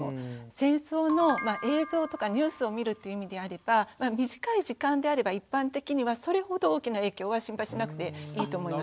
戦争の映像とかニュースを見るっていう意味であれば短い時間であれば一般的にはそれほど大きな影響は心配しなくていいと思います。